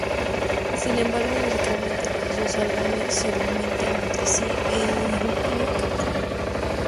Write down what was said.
Sin embargo, musicalmente, los dos álbumes se alimentan entre sí en un bucle continuo.